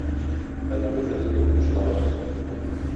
Кадерле газета укучыларыбыз!